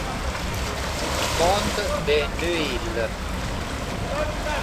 Pont de Neuilly